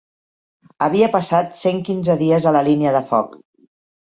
Havia passat cent quinze dies a la línia de foc